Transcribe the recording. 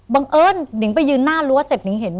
บังเอิญนิ้งไปยืนหน้ารั้วเสร็จ